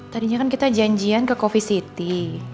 tadinya kan kita janjian ke coffee city